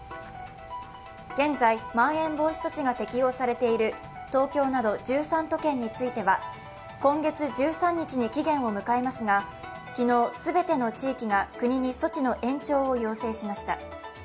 現在、まん延防止措置が適用されている東京など１３都県については今月１３日に期限を迎えますが、昨日、全ての地区が国に措置の延長を要請しました。